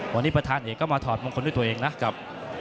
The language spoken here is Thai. วันนี้ประธานเอกก็มาถอดมงคลด้วยตัวเองนะกับ